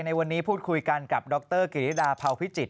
ในวันนี้พูดคุยกันกับดรกิริดาเผาพิจิตร